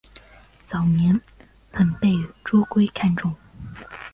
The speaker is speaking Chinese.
早年很被朱圭看重。